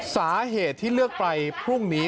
สาเหตุที่เลือกไปพรุ่งนี้